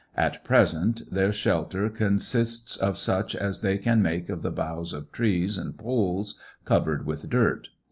At present their shelter con sists of such as they can make of the boughs of trees and poles, covered with dirt.